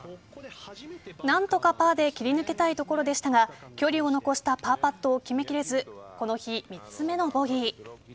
何とかパーで切り抜けたいところでしたが距離を残したパーパットを決めきれずこの日３つ目のボギー。